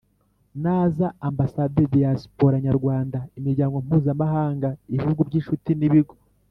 naza Ambasade Diyasipora nyarwanda imiryango mpuzamahanga Ibihugu by inshuti n ibigo